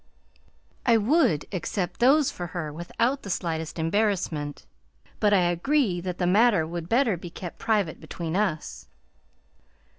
I would accept those for her without the slightest embarrassment, but I agree that the matter would better be kept private between us."